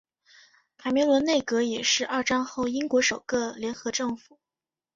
卡梅伦内阁也是二战后英国首个联合政府。